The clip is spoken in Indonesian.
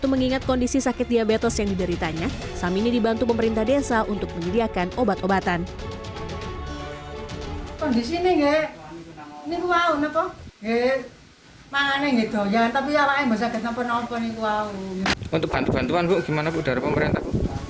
untuk bantuan bantuan buk bagaimana dari pemerintah